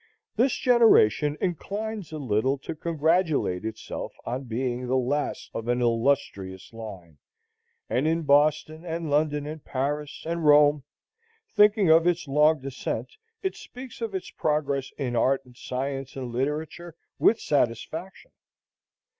This generation inclines a little to congratulate itself on being the last of an illustrious line; and in Boston and London and Paris and Rome, thinking of its long descent, it speaks of its progress in art and science and literature with satisfaction.